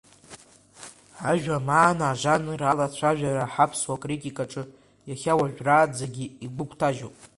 Ажәамаана ажанр алацәажәара ҳаԥсуа критикаҿы иахьа уажәраанӡагьы игәыгәҭажьуп.